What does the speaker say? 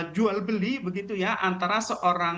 jual beli antara seorang